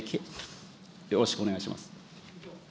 よろしくお願いします。